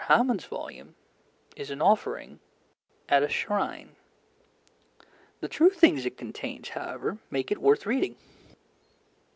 Hamon's volume is an offering at a shrine. The true things it contains, however, make it worth reading.